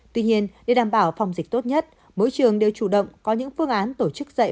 tuy nhiên để đảm bảo phòng dịch tốt nhất mỗi trường đều chủ động có những phương án tổ chức dạy